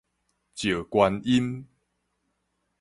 石觀音